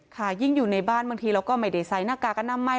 ยิ่งอยู่ในบ้านบางทีเราก็ไม่ได้ใส่หน้ากากอนามัย